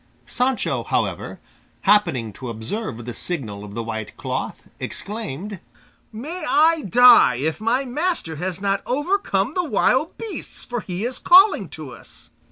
Sancho, however, happening to observe the signal of the white cloth, exclaimed, "May I die, if my master has not overcome the wild beasts, for he is calling to us."